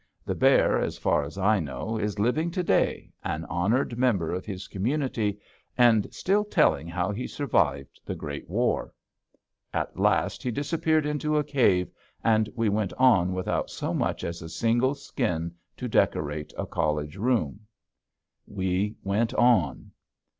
The bear, as far as I know, is living to day, an honored member of his community, and still telling how he survived the great war. At last he disappeared into a cave, and we went on without so much as a single skin to decorate a college room. We went on.